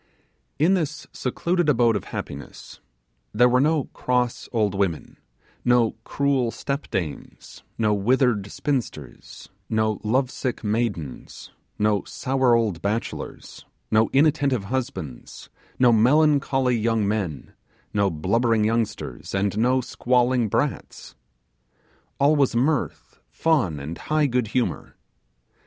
In this secluded abode of happiness there were no cross old women, no cruel step dames, no withered spinsters, no lovesick maidens, no sour old bachelors, no inattentive husbands, no melancholy young men, no blubbering youngsters, and no squalling brats. All was mirth, fun and high good humour.